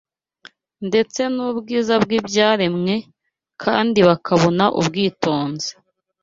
ndetse n’ubwiza bw’ibyaremwe, kandi bakabona ubwitonzi